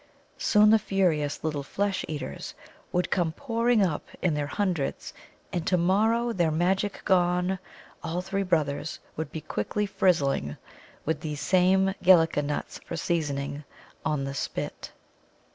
Soon the furious little Flesh eaters would come pouring up in their hundreds, and to morrow, their magic gone, all three brothers would be quickly frizzling, with these same Gelica nuts for seasoning, on the spit.